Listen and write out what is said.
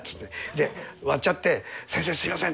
で割っちゃって先生すみません。